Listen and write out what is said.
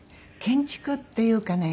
建築っていうかね